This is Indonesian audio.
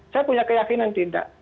saya punya keyakinan tidak